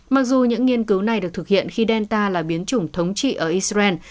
mặc dù những nghiên cứu này được thực hiện khi delta là biến chủng thống trị ở israel